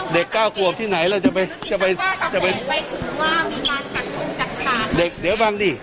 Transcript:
เด็กเก้าขวบที่ไหนแล้วจะไปจะไปจะไปเดี๋ยวฟังดิ